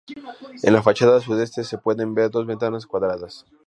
En la fachada sudeste se pueden ver dos ventanas cuadradas.